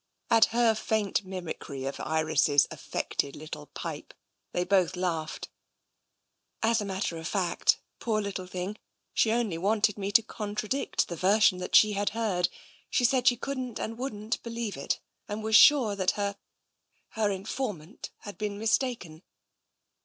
*" At her faint mimicry of Iris* affected little pipe they both laughed. " As a matter of fact, poor little thing, she only wanted me to contradict the version that she had heard. 152 TENSION She said she couldn't and wouldn't believe it, and was sure that her — her informant had been mistaken."